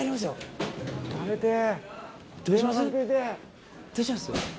食べてぇ。